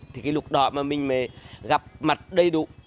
thì cái lục đoạn mà mình mới gặp mặt đầy đủ